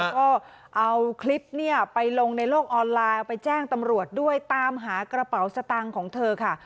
ก็เอาคลิปเนี่ยไปลงในโลกออนไลน์เอาไปแจ้งตำรวจด้วยตามหากระเป๋าสตางค์ของเธอค่ะ